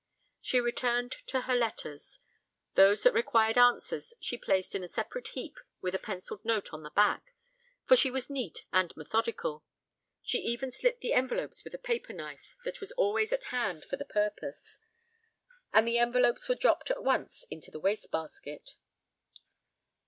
She returned to her letters. Those that required answers she placed in a separate heap with a pencilled note on the back, for she was neat and methodical; she even slit the envelopes with a paper knife that was always at hand for the purpose, and the envelopes were dropped at once into the waste basket.